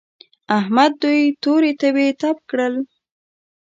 احمد دوی تورې تبې تپ کړل.